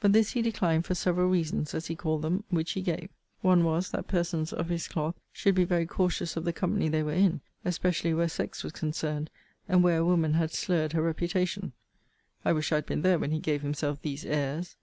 But this he declined for several reasons, as he call them; which he gave. One was, that persons of his cloth should be very cautious of the company they were in, especially where sex was concerned, and where a woman had slurred her reputation [I wish I had been there when he gave himself these airs.